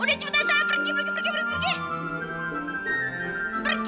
udah cepetan salah pergi pergi pergi pergi